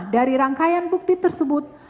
dari rangkaian bukti tersebut